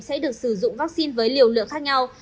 sẽ được sử dụng vaccine với liều lượng khác nhau